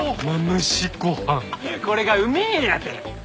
これがうめえんやて！